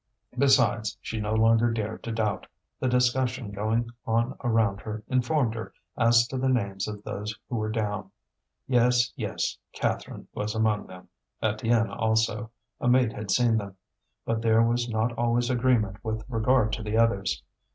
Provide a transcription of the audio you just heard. Besides, she no longer dared to doubt; the discussion going on around her informed her as to the names of those who were down. Yes, yes, Catherine was among them, Étienne also a mate had seen them. But there was not always agreement with regard to the others.